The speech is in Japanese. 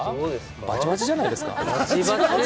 バチバチじゃないですか？